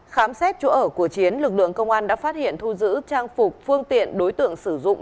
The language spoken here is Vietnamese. khám xét chỗ ở của chiến lực lượng công an đã phát hiện thu giữ trang phục phương tiện đối tượng sử dụng